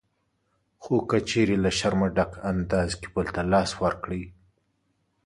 خو که چېرې له شرمه ډک انداز کې بل ته لاس ورکړئ